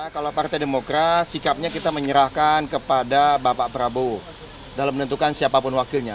kalau partai demokrat sikapnya kita menyerahkan kepada bapak prabowo dalam menentukan siapapun wakilnya